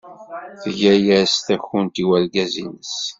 Tga-as takunt i wergaz-nnes.